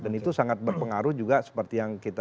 dan itu sangat berpengaruh juga seperti yang kita